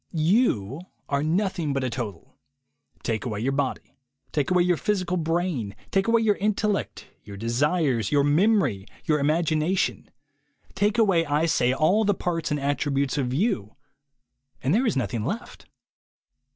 You are noth ing but a total. Take away your body, take away your physical brain, take away your intellect, your desires, your memory, your imagination, take away, I say, all the parts and attributes of you, and there is nothing left.